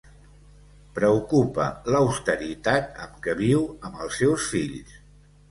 Preocupa l'austeritat amb què viu amb els seus fills.